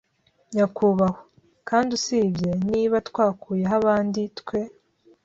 nyakubahwa. Kandi usibye, niba twakuyeho abandi, twe